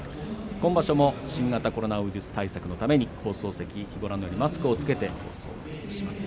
今場所も新型コロナウイルス対策のために放送席、ご覧のようにマスクを着けてお伝えしています。